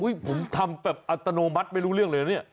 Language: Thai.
ผมทำแบบอัตโนมัติไม่รู้เรื่องเลยนะเนี่ย